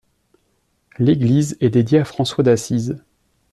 L'église est dédiée à François d'Assise.